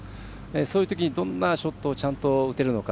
そういうときにどんなショットをちゃんと打てるのか。